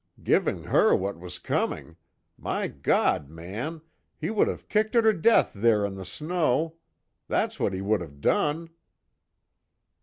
"Giving her what was coming! My God, man, he would have kicked her to death there in the snow that's what he would have done!"